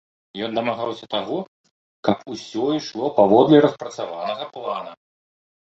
Ён дамагаўся таго, каб усё ішло паводле распрацаванага плана.